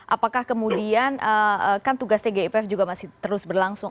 apakah kemudian kan tugas tgipf juga masih terus berlangsung